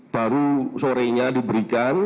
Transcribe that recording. baru sorenya diberikan